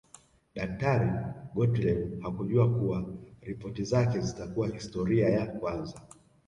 Daktari Gottlieb hakujua kuwa ripoti zake zitakuwa historia ya kwanza